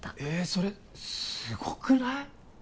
それすごくない？